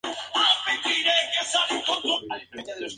Está situado en el extremo del Monte Carmelo.